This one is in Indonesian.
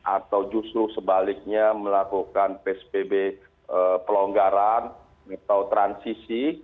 atau justru sebaliknya melakukan psbb pelonggaran atau transisi